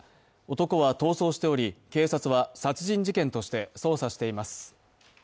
男は逃走しており警察は殺人事件として捜査しています。